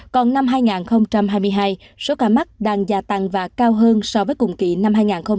còn năm hai nghìn hai mươi hai số ca mắc đang gia tăng và cao hơn so với cùng kỷ năm hai nghìn hai mươi hai nghìn hai mươi một